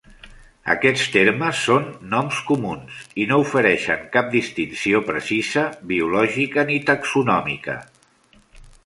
Aquests termes són noms comuns i no ofereixen cap distinció precisa biològica ni taxonòmica.